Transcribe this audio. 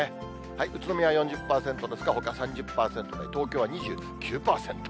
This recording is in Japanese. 宇都宮４０％ですが、ほか３０％台、東京は２９％。